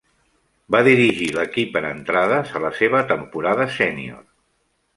Va dirigir l'equip en entrades a la seva temporada sénior.